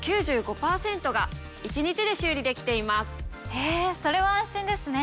へぇそれは安心ですね。